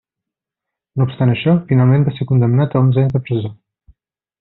No obstant això, finalment va ser condemnat a onze anys de presó.